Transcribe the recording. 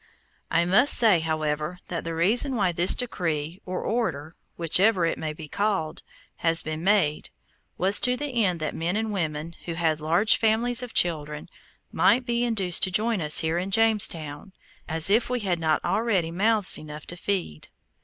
I must say, however, that the reason why this decree, or order, whichever it may be called, has been made, was to the end that men and women, who had large families of children, might be induced to join us here in Jamestown, as if we had not already mouths enough to feed.